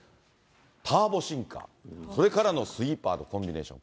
ターボシンカー、それからのスイーパーのコンビネーション。